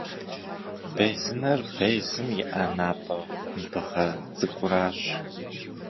Безынэр безым иӏэ напӏэ кумбыгъэ цӏыкӏуращ.